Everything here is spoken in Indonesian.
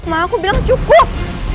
mama aku bilang cukup